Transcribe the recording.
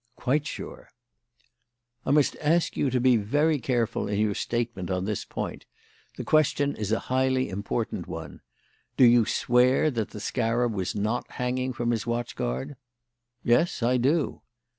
"Quite sure." "I must ask you to be very careful in your statement on this point. The question is a highly important one. Do you swear that the scarab was not hanging from his watch guard?" "Yes, I do."